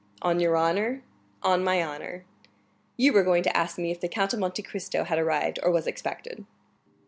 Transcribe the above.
"On your honor?" "On my honor." "You were going to ask me if the Count of Monte Cristo had arrived, or was expected."